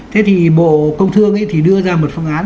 thế thì bộ công thương thì đưa ra một phương án